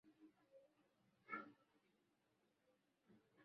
Wao si wa ulimwengu kama mimi nisivyo wa ulimwengu